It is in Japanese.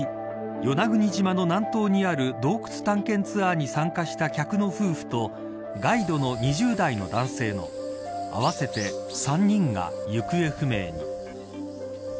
与那国島の南東にある洞窟探検ツアーに参加した客の夫婦とガイドの２０代の男性の合わせて３人が行方不明に。